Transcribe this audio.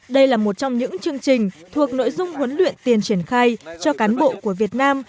đây là một trong những chương trình thuộc nội dung huấn luyện tiền triển khai cho cán bộ của việt nam